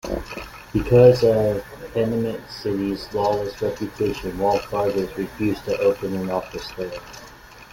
Because of Panamint City's lawless reputation, Wells Fargo refused to open an office there.